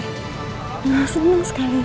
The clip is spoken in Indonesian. saya senang sekali